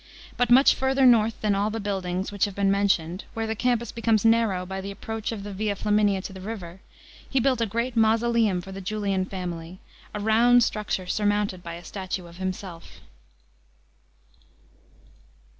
But much further north than all the buildings which have been mentioned, where the Campus heroines narrow by the approach of the Via Flamiuia to the river, he built a great mausoleum for the Julian family, a round structure surmounted by a statue of himself.